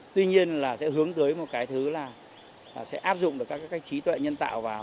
tuy nhiên là sẽ hướng tới một cái thứ là sẽ áp dụng được các cái trí tuệ nhân tạo vào